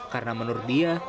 karena menurut dia